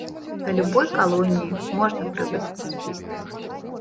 Да любой калоніі можна прывыкнуць.